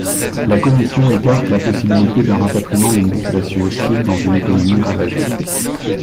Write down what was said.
La commission écarte la possibilité d'un rapatriement d'une population hostile dans une économie ravagée.